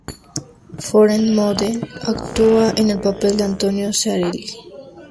Florent Mothe actúa en el papel de Antonio Salieri.